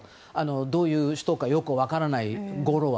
どういう人かよく分からないころは。